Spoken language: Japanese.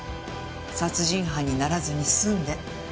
殺人犯にならずに済んで。